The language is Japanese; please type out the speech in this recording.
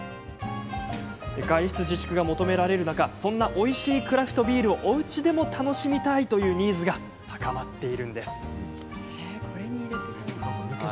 外出自粛が求められる中そんなおいしいクラフトビールをおうちでも楽しみたいというニーズが高まっているんです。